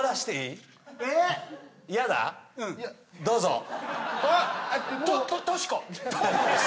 どうぞ。